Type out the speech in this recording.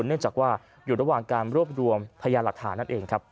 เนื่องจากว่าอยู่ระหว่างการรวบรวมพยานหลักฐานนั่นเองครับ